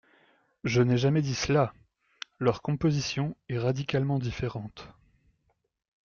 Je n’ai jamais dit cela ! Leur composition est radicalement différente.